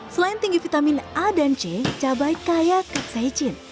selain tinggi vitamin a dan c cabai kaya keksaicin